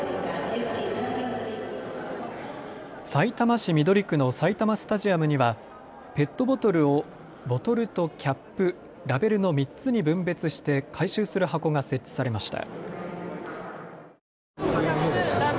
さいたま市緑区の埼玉スタジアムにはペットボトルをボトルとキャップ、ラベルの３つに分別して回収する箱が設置されました。